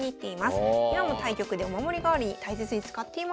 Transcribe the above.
今も対局でお守り代わりに大切に使っていますということです。